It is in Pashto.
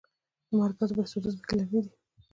د مرکز بهسود ځمکې للمي دي